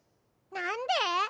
なんで？